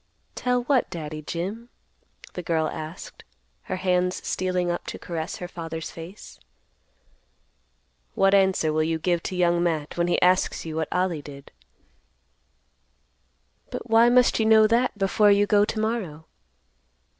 "Tell what, Daddy Jim?" the girl asked, her hands stealing up to caress her father's face. "What answer will you give to Young Matt when he asks you what Ollie did?" "But why must you know that before you go to morrow?"